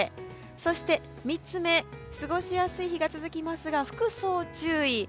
そして３つ目過ごしやすい日が続きますが服装注意。